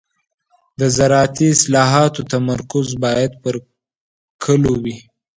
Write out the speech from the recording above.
د زراعتي اصلاحاتو تمرکز باید پر کليو وي.